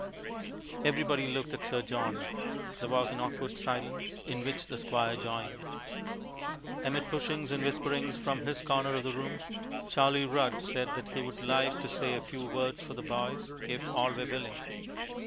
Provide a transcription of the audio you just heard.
Everybody looked at Sir John. There was an awkward silence, in which the Squire joined.... Amid pushings and whisperings from his corner of the room, Charlie Rudd said that he would just like to say a few words for the boys, if all were willing.